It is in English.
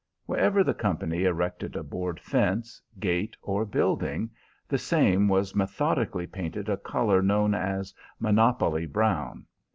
Wherever the company erected a board fence, gate, or building, the same was methodically painted a color known as "monopoly brown."